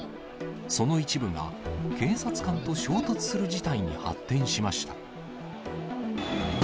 その一部が警察官と衝突する事態に発展しました。